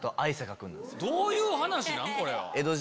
どういう話なん？